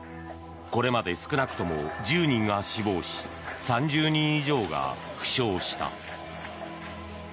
これまで少なくとも１０人が死亡し３０人以上が負傷した。